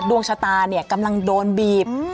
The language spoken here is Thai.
ดวงชะตากำลังโดนบีบ